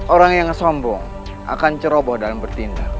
orang yang sombong akan ceroboh dalam bertindak